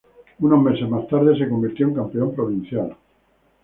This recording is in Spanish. Unos meses más tarde se convirtió en campeón provincial.